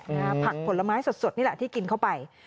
ผักผลไม้สดนี่แหละที่กินเข้าไป